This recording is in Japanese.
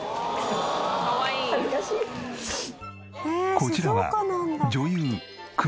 こちらは。